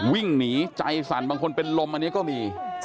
วิ่งหนีใจสั่นบางคนเป็นลมอันนี้ก็มี